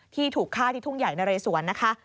ที่ถูกฆ่าที่ทุ่งใหญ่นะเรสวนนะคะ